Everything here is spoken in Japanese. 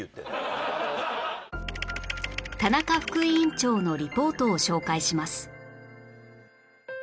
田中副委員長のリポートを紹介します